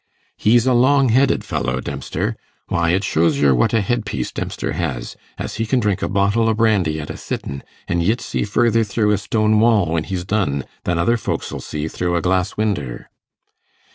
'He's a long headed feller, Dempster; why, it shows yer what a headpiece Dempster has, as he can drink a bottle o' brandy at a sittin', an' yit see further through a stone wall when he's done, than other folks 'll see through a glass winder.